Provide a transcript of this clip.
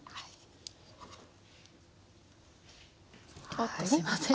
おっとすいません。